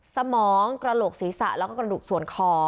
สมองกระโหลกศีรษะแล้วก็กระดูกส่วนคอ